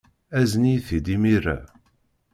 Azen-iyi-t-id imir-a.